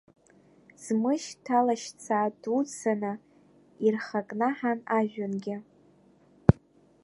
Ӡмыжь ҭылашьцаа дуӡӡаны ирхакнаҳан ажәҩангьы.